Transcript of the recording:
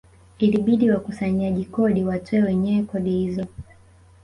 Ilibidi wakusanyaji kodi watoe wenyewe kodi hizo